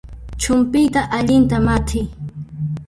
Chumpyta allinta mat'iy